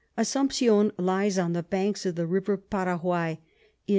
Assumption lies on the Banks of the River Paraguay, in S.